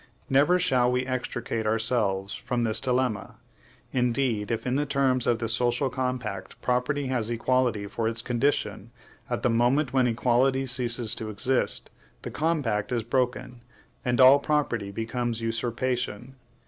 Never shall we extricate ourselves from this dilemma. Indeed, if, in the terms of the social compact, property has equality for its condition, at the moment when equality ceases to exist, the compact is broken and all property becomes usurpation.